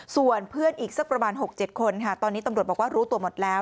ส่วนเพื่อนอีกสักประมาณ๖๗คนค่ะตอนนี้ตำรวจบอกว่ารู้ตัวหมดแล้ว